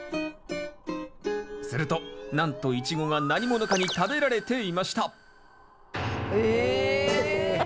するとなんとイチゴが何者かに食べられていました！え！